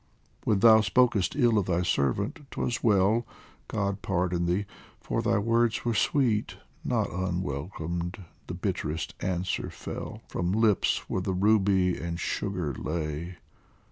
When thou spokest ill of thy servant 'twas well God pardon thee ! for thy words were sweet ; Not unwelcomed the bitterest answer fell From lips where the ruby and sugar lay.